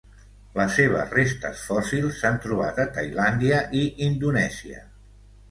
Les seves restes fòssils s'han trobat a Tailàndia i Indonèsia.